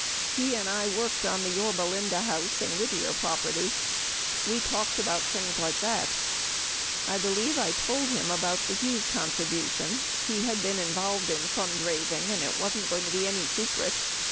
He and I worked on the Yorba Linda House and Whittier property. W T e talked about things like that I believe I told him about [the Hughes contribu tion] he had been involved in fund raising and it wasn't going to be any secret.